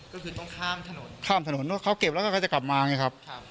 ก็คือต้องข้ามถนนข้ามถนนเพราะเขาเก็บแล้วก็เขาจะกลับมาไงครับ